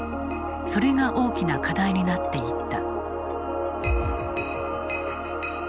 それが大きな課題になっていった。